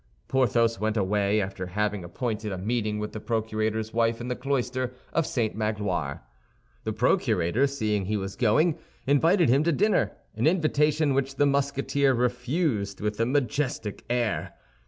Porthos went away after having appointed a meeting with the procurator's wife in the cloister of St. Magloire. The procurator, seeing he was going, invited him to dinner—an invitation which the Musketeer refused with a majestic air.